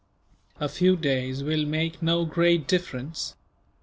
"A few days will make no great difference.